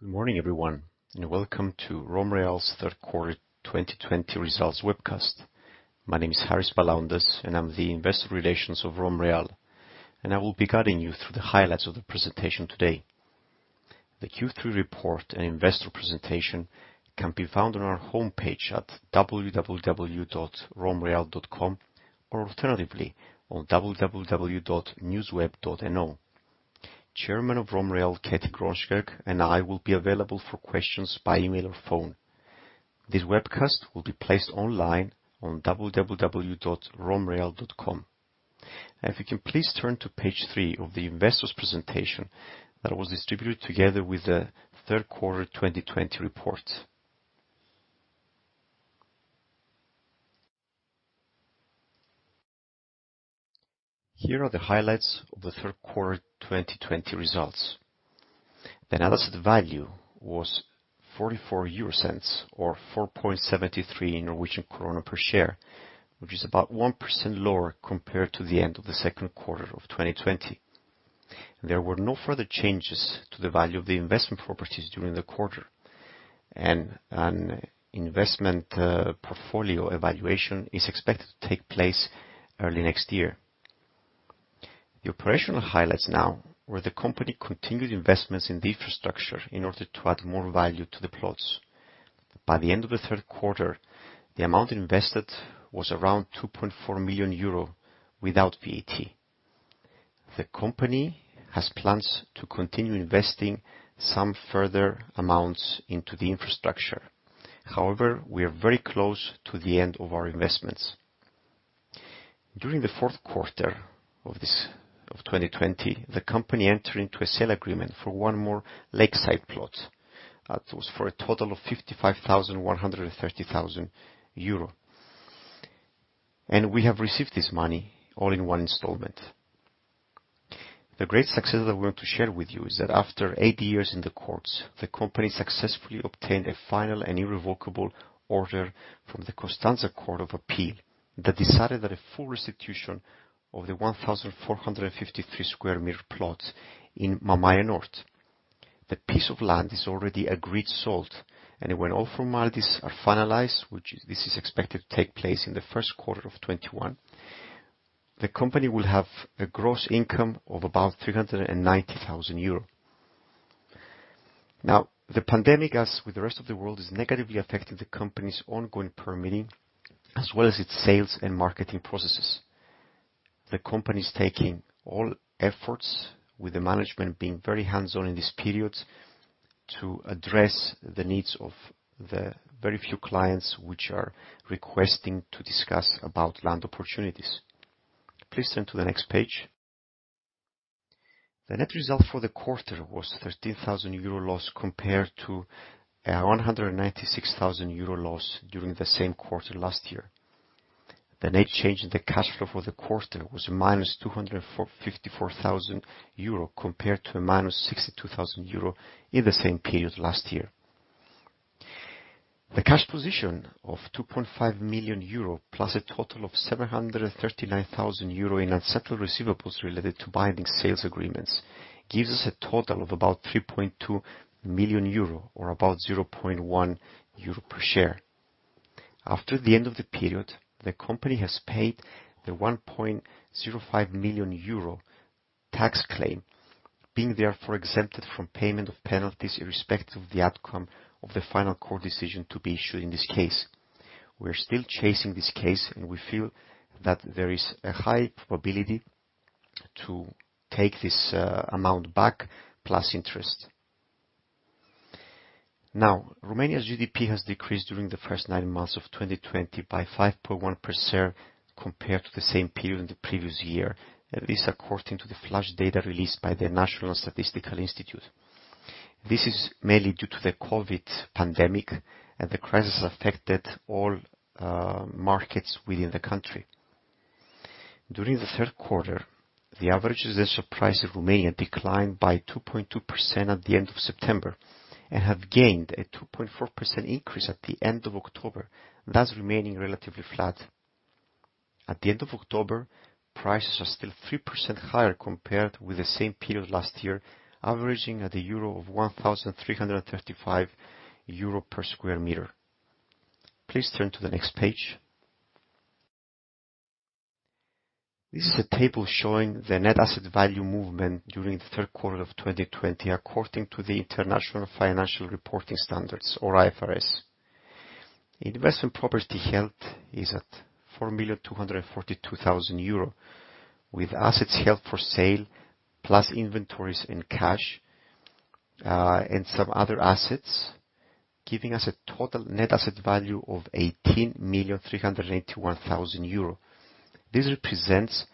Good morning, everyone, and welcome to RomReal's third quarter 2020 results webcast. My name is Harris Palaondas, and I'm the investor relations of RomReal, and I will be guiding you through the highlights of the presentation today. The Q3 report and investor presentation can be found on our homepage at www.romreal.com, or alternatively, on www.newsweb.no. Chairman of RomReal, Kjetil Grønskag, and I will be available for questions by email or phone. This webcast will be placed online on www.romreal.com. If you can please turn to page three of the investors presentation that was distributed together with the third quarter 2020 report. Here are the highlights of the third quarter 2020 results. The net asset value was 0.44 or 4.73 Norwegian krone per share, which is about 1% lower compared to the end of the second quarter of 2020. There were no further changes to the value of the investment properties during the quarter. An investment portfolio evaluation is expected to take place early next year. The operational highlights now were the company continued investments in the infrastructure in order to add more value to the plots. By the end of the third quarter, the amount invested was around 2.4 million euro without VAT. The company has plans to continue investing some further amounts into the infrastructure. However, we are very close to the end of our investments. During the fourth quarter of 2020, the company entered into a sale agreement for one more lakeside plot that was for a total of 55,130 euro. We have received this money all in one installment. The great success that we want to share with you is that after eight years in the courts, the company successfully obtained a final and irrevocable order from the Constanta Court of Appeal that decided that a full restitution of the 1,453 sq m plots in Mamaia North. The piece of land is already agreed sold, and when all formalities are finalized, which this is expected to take place in the first quarter of 2021, the company will have a gross income of about 390,000 euros. Now, the pandemic, as with the rest of the world, is negatively affecting the company's ongoing permitting as well as its sales and marketing processes. The company is taking all efforts with the management being very hands-on in this period to address the needs of the very few clients which are requesting to discuss about land opportunities. Please turn to the next page. The net result for the quarter was 13,000 euro loss compared to a 196,000 euro loss during the same quarter last year. The net change in the cash flow for the quarter was -254,000 euro, compared to a -62,000 euro in the same period last year. The cash position of 2.5 million euro plus a total of 739,000 euro in unsettled receivables related to binding sales agreements, gives us a total of about 3.2 million euro or about 0.1 euro per share. After the end of the period the company has paid the 1.05 million euro tax claim being therefore exempted from payment of penalties irrespective of the outcome of the final court decision to be issued in this case. We're still chasing this case, and we feel that there is a high probability to take this amount back plus interest. Romania's GDP has decreased during the first nine months of 2020 by 5.1% compared to the same period in the previous year. This according to the flash data released by the National Institute of Statistics. This is mainly due to the COVID-19 pandemic. The crisis affected all markets within the country. During the third quarter, the average residential price in Romania declined by 2.2% at the end of September and have gained a 2.4% increase at the end of October, thus remaining relatively flat. At the end of October, prices are still 3% higher compared with the same period last year, averaging at 1,335 euro/sq m. Please turn to the next page. This is a table showing the net asset value movement during the third quarter of 2020 according to the International Financial Reporting Standards or IFRS. Investment property held is at 4,242,000 euro with assets held for sale plus inventories and cash, and some other assets, giving us a total net asset value of 18,381,000 euro. This represents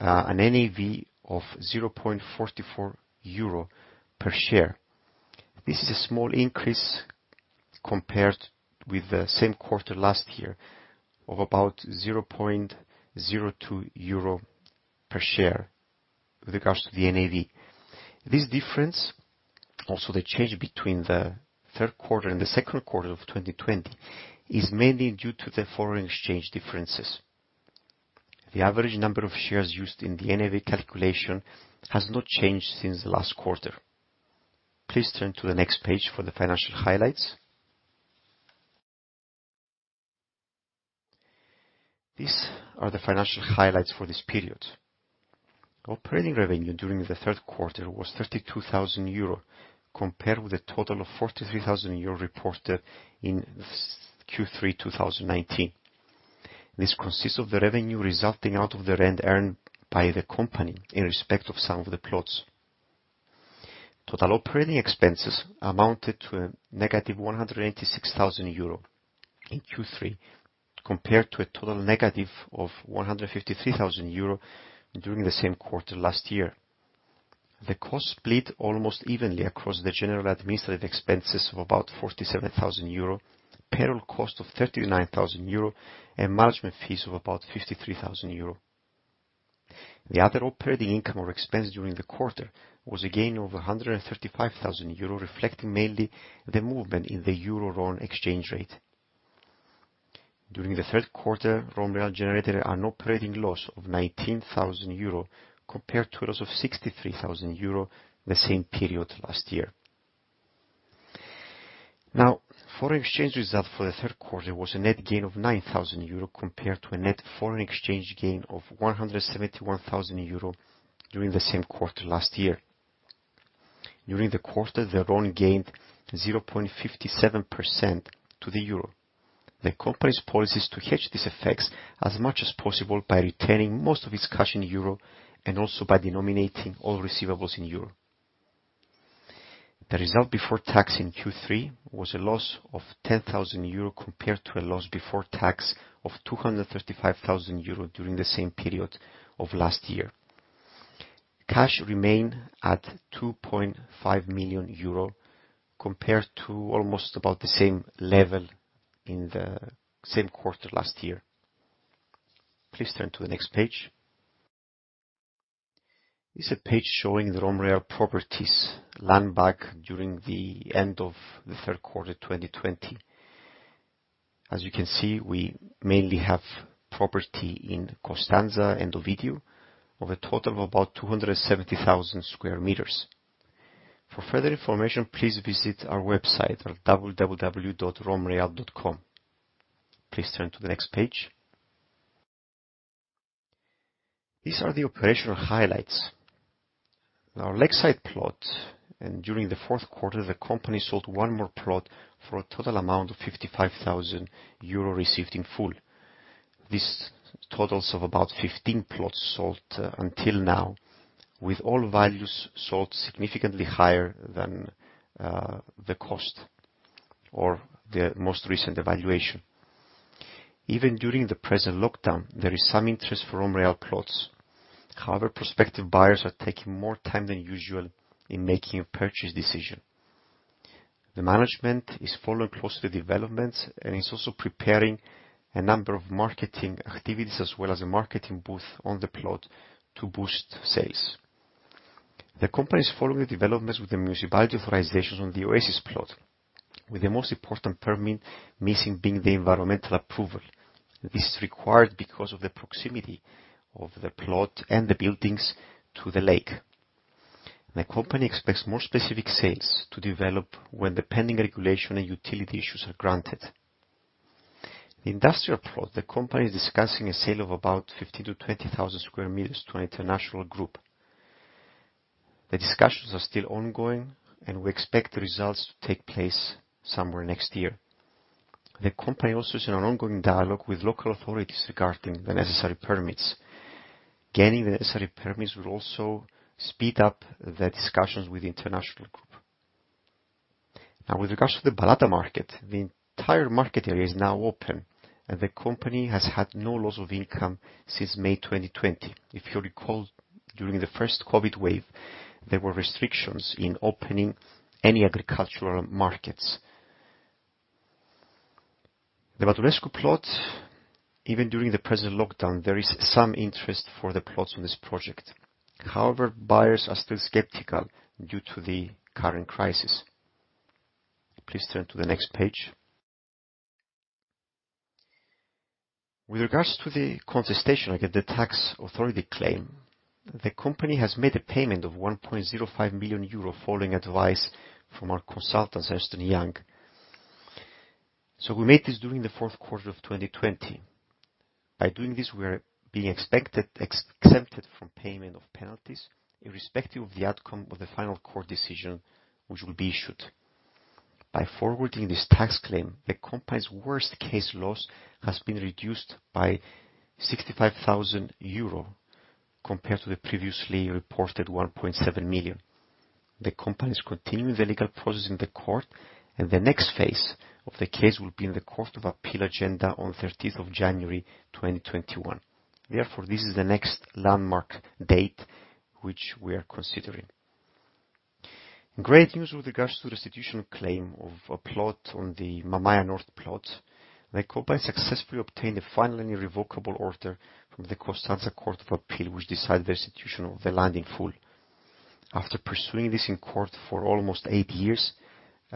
an NAV of 0.44 euro per share. This is a small increase compared with the same quarter last year of about 0.02 euro per share with regards to the NAV. This difference, also the change between the third quarter and the second quarter of 2020, is mainly due to the foreign exchange differences. The average number of shares used in the NAV calculation has not changed since the last quarter. Please turn to the next page for the financial highlights. These are the financial highlights for this period. Operating revenue during the third quarter was 32,000 euro, compared with a total of 43,000 euro reported in Q3 2019. This consists of the revenue resulting out of the rent earned by the company in respect of some of the plots. Total operating expenses amounted to a -186,000 euro in Q3, compared to a total of -153,000 euro during the same quarter last year. The cost split almost evenly across the general administrative expenses of about 47,000 euro, payroll cost of 39,000 euro, and management fees of about 53,000 euro. The other operating income or expense during the quarter was a gain of 135,000 euro, reflecting mainly the movement in the euro-ron exchange rate. During the third quarter, RomReal generated an operating loss of 19,000 euro compared to a loss of 63,000 euro the same period last year. Foreign exchange result for the third quarter was a net gain of 9,000 euro compared to a net foreign exchange gain of 171,000 euro during the same quarter last year. During the quarter, the ron gained 0.57% to the euro. The company's policy is to hedge these effects as much as possible by retaining most of its cash in euro and also by denominating all receivables in euro. The result before tax in Q3 was a loss of 10,000 euro compared to a loss before tax of 235,000 euro during the same period of last year. Cash remained at 2.5 million euro compared to almost about the same level in the same quarter last year. Please turn to the next page. This is a page showing the RomReal properties land back during the end of the third quarter 2020. As you can see, we mainly have property in Constanța and Ovidiu, of a total of about 270,000 sq m. For further information, please visit our website at www.romreal.com. Please turn to the next page. These are the operational highlights. Our lakeside plot, and during the fourth quarter, the company sold one more plot for a total amount of 55,000 euro received in full. This totals of about 15 plots sold until now, with all values sold significantly higher than the cost or the most recent evaluation. Even during the present lockdown, there is some interest for RomReal plots. However, prospective buyers are taking more time than usual in making a purchase decision. The management is following closely the developments and is also preparing a number of marketing activities as well as a marketing booth on the plot to boost sales. The company is following the developments with the municipality authorizations on the Oasis plot, with the most important permit missing being the environmental approval. This is required because of the proximity of the plot and the buildings to the lake. The company expects more specific sales to develop when the pending regulation and utility issues are granted. The industrial plot, the company is discussing a sale of about 15,000 sq m-20,000 sq m to an international group. The discussions are still ongoing, and we expect the results to take place somewhere next year. The company also is in an ongoing dialogue with local authorities regarding the necessary permits. Gaining the necessary permits will also speed up the discussions with the international group. Now, with regards to the Balada Market, the entire market area is now open, and the company has had no loss of income since May 2020. If you recall, during the first COVID-19 wave, there were restrictions in opening any agricultural markets. The Badulescu plot, even during the present lockdown, there is some interest for the plots on this project. However, buyers are still skeptical due to the current crisis. Please turn to the next page. With regards to the contestation against the tax authority claim, the company has made a payment of 1.05 million euro following advice from our consultants, Ernst & Young. We made this during the fourth quarter of 2020. By doing this, we are being exempted from payment of penalties, irrespective of the outcome of the final court decision which will be issued. By forwarding this tax claim, the company's worst-case loss has been reduced by 65,000 euro compared to the previously reported 1.7 million. The company is continuing the legal process in the court, and the next phase of the case will be in the Court of Appeal agenda on 30th of January 2021. This is the next landmark date which we are considering. Great news with regards to restitution claim of a plot on the Mamaia North plot. The company successfully obtained a final and irrevocable order from the Constanța Court of Appeal, which decided the restitution of the land in full. After pursuing this in court for almost eight years,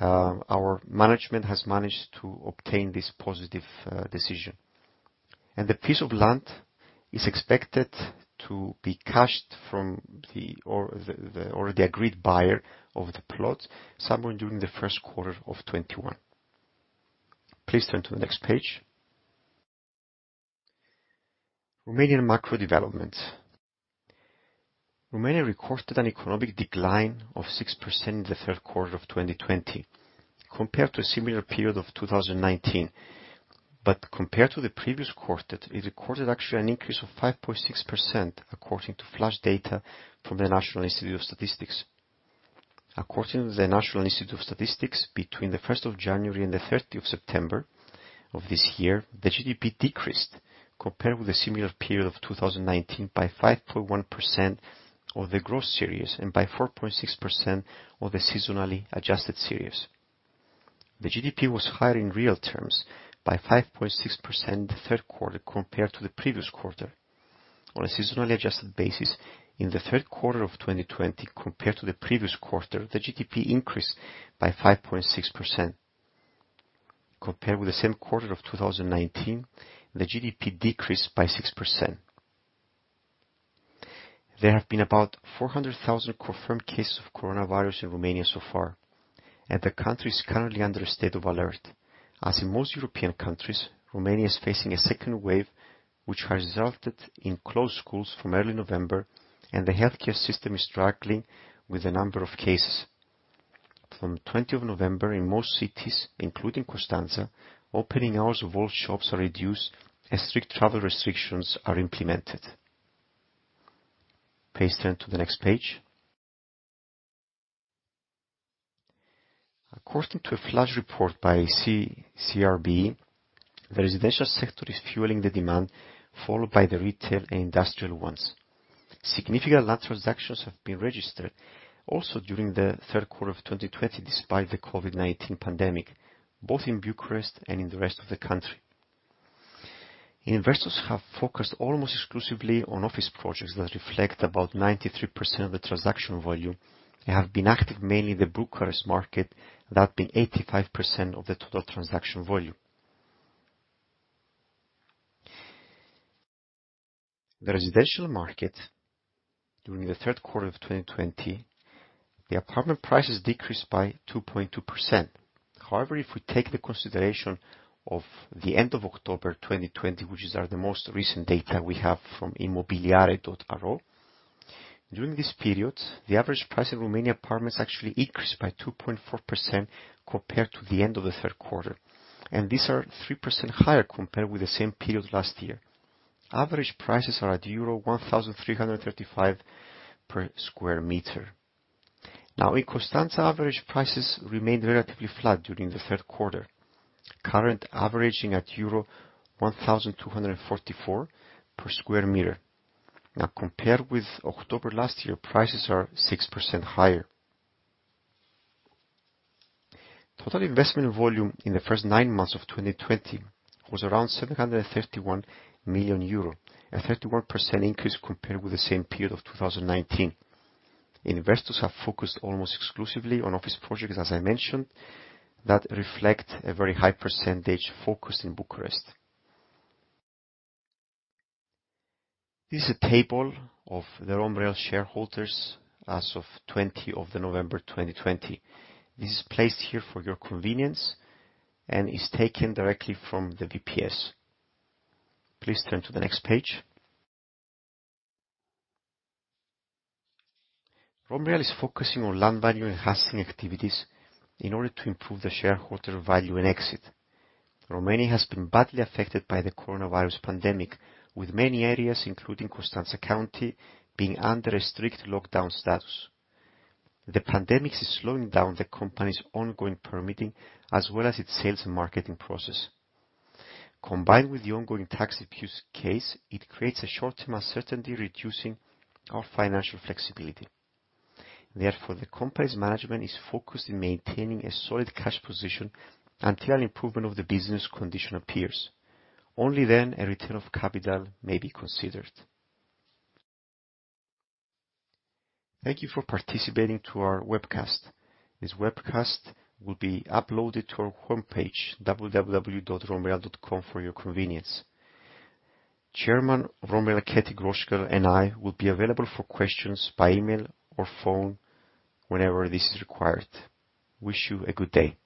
our management has managed to obtain this positive decision. The piece of land is expected to be cashed from the already agreed buyer of the plot somewhere during the first quarter of 2021. Please turn to the next page. Romanian macro developments. Romania recorded an economic decline of 6% in the third quarter of 2020 compared to a similar period of 2019. Compared to the previous quarter, it recorded actually an increase of 5.6%, according to flash data from the National Institute of Statistics. According to the National Institute of Statistics, between the 1st of January and the 30th of September of this year, the GDP decreased compared with a similar period of 2019 by 5.1% of the gross series and by 4.6% of the seasonally-adjusted series. The GDP was higher in real terms by 5.6% in the third quarter compared to the previous quarter. On a seasonally-adjusted basis in the third quarter of 2020 compared to the previous quarter, the GDP increased by 5.6%. Compared with the same quarter of 2019, the GDP decreased by 6%. There have been about 400,000 confirmed cases of coronavirus in Romania so far, and the country is currently under a state of alert. As in most European countries, Romania is facing a second wave, which has resulted in closed schools from early November, and the healthcare system is struggling with the number of cases. From 20th of November, in most cities, including Constanța, opening hours of all shops are reduced as strict travel restrictions are implemented. Please turn to the next page. According to a flash report by CRB, the residential sector is fueling the demand, followed by the retail and industrial ones. Significant land transactions have been registered also during the third quarter of 2020, despite the COVID-19 pandemic, both in Bucharest and in the rest of the country. Investors have focused almost exclusively on office projects that reflect about 93% of the transaction volume and have been active mainly in the Bucharest market that been 85% of the total transaction volume. The residential market during the third quarter of 2020, the apartment prices decreased by 2.2%. If we take the consideration of the end of October 2020, which is the most recent data we have from imobiliare.ro, during this period, the average price of Romanian apartments actually increased by 2.4% compared to the end of the third quarter, and these are 3% higher compared with the same period last year. Average prices are at euro 1,335/sq m. In Constanta, average prices remained relatively flat during the third quarter, current averaging at euro 1,244/sq m. Compared with October last year, prices are 6% higher. Total investment volume in the first nine months of 2020 was around 731 million euro, a 31% increase compared with the same period of 2019. Investors have focused almost exclusively on office projects, as I mentioned, that reflect a very high percentage focus in Bucharest. This is a table of the RomReal shareholders as of 20 of November 2020. This is placed here for your convenience and is taken directly from the VPS. Please turn to the next page. RomReal is focusing on land value-enhancing activities in order to improve the shareholder value and exit. Romania has been badly affected by the coronavirus pandemic, with many areas, including Constanța County, being under a strict lockdown status. The pandemic is slowing down the company's ongoing permitting as well as its sales and marketing process. Combined with the ongoing tax dispute case, it creates a short-term uncertainty, reducing our financial flexibility. Therefore, the company's management is focused on maintaining a solid cash position until improvement of the business condition appears. Only then a return of capital may be considered. Thank you for participating to our webcast. This webcast will be uploaded to our homepage, www.romreal.com, for your convenience. Chairman RomReal Kjetil Grønskag and I will be available for questions by email or phone whenever this is required. Wish you a good day.